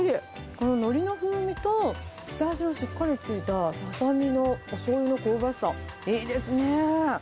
こののりの風味と、下味がしっかりついたささみのしょうゆの香ばしさ、いいですね。